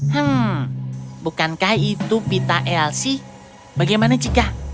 hmm bukankah itu pita elsi bagaimana jika